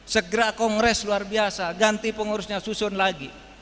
segera kongres luar biasa ganti pengurusnya susun lagi